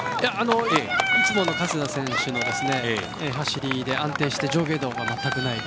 いつもの加世田選手の走りで安定していて上下動の全くない。